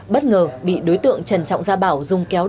bất ngờ bị đối tượng trần trọng gia bảo dùng kéo đâm